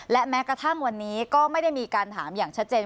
และแม้กระทั่งวันนี้ก็ไม่ได้มีการถามอย่างชัดเจน